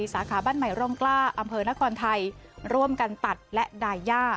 สาขาบ้านใหม่ร่องกล้าอำเภอนครไทยร่วมกันตัดและดายย่า